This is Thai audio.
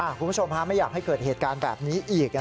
คุณผู้ชมไม่อยากให้เกิดเหตุการณ์แบบนี้อีก